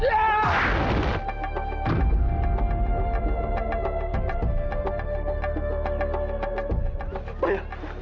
dengarkan penjelasan kakaknya